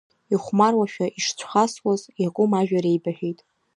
Ихәмаруашәа ишцәхасуаз, Иакәым ажәа реибарҳәеит…